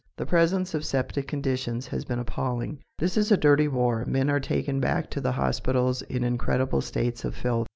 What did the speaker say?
The presence of septic conditions has been appalling. This is a dirty war. Men are taken back to the hospitals in incredible states of filth.